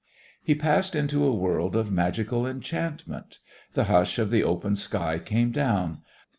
He passed into a world of magical enchantment. The hush of the open sky came down.